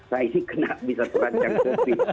nah ini kena bisa terancang kopi